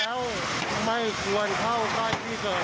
อันส่วนที่ยังไม่ได้หล่มก็แล้วไม่ควรเข้าใต้ที่เจอทีเนียม